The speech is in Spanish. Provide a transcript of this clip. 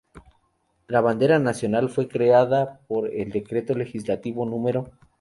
La Bandera Nacional fue creada por el Decreto Legislativo No.